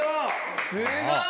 すごい！